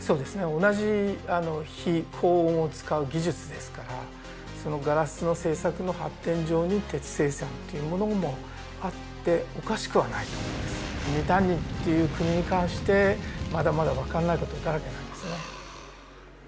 同じ技法を使う技術ですからそのガラスの製作の発展上に鉄生産というものもあっておかしくはないと思いますミタンニという国に関してまだまだ分かんないことだらけなんですね